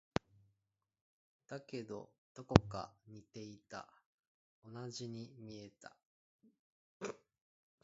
だけど、どこか似ていた。同じに見えた。